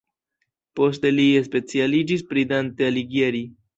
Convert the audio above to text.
Poste li specialiĝis pri Dante Alighieri.